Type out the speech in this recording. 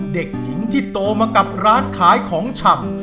เด็กหญิงที่โตมากับร้านขายของชำ